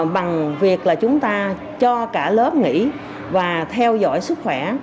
bằng việc là chúng ta cho cả lớp nghỉ và theo dõi sức khỏe